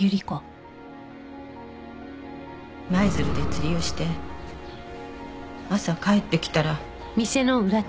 舞鶴で釣りをして朝帰ってきたら。